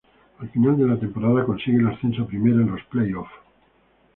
Al final de la temporada consigue el ascenso a Primera en los play-offs.